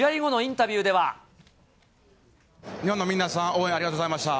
日本の皆さん、応援ありがとうございました。